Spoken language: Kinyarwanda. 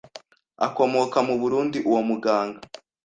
akomoka mu Burundi uwo muganga